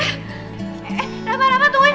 eh eh rapat rapat tungguin